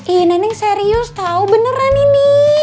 ih neneng serius tau beneran ini